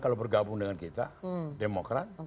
kalau bergabung dengan kita demokrat